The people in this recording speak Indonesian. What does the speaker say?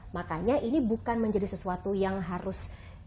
makanya ini bukan menjadi sesuatu yang harus